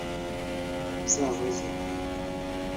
uzabaze